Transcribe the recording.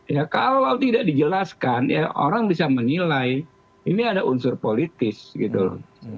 ya kalau tidak dijelaskan ya orang bisa menilai ini ada unsur politis gitu loh